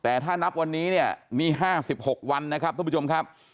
แต่ถ้านับวันนี้เนี่ยมีห้าสิบหกวันนะครับท่านผู้ชมครับ